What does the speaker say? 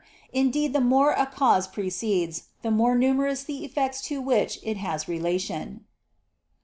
Indeed, the more a cause precedes, the more numerous the effects to which it has relation.